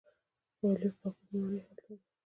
عالي قاپو ماڼۍ هلته ده.